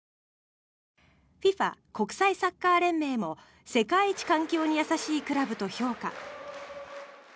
ＦＩＦＡ・国際サッカー連盟も世界一環境に優しいクラブと評価。